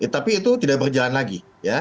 tapi itu tidak berjalan lagi